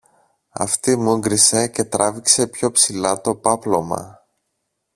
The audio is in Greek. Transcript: Αυτή μούγκρισε και τράβηξε πιο ψηλά το πάπλωμα